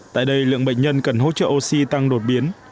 tại đây lượng bệnh nhân cần hỗ trợ oxy tăng đột biến